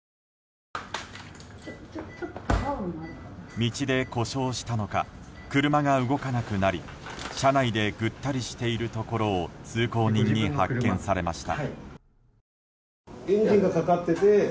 道で故障したのか車が動かなくなり車内でぐったりしているところを通行人に発見されました。